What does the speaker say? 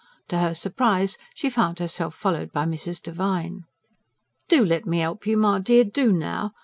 To her surprise she found herself followed by Mrs. Devine. "DO let me 'elp you, my dear, do, now!